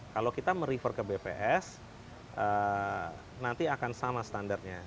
kalau kita merefer ke bps nanti akan sama standarnya